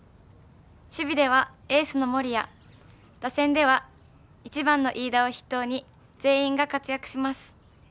守備ではエースの森谷打線では１番の飯田を筆頭に全員が活躍します。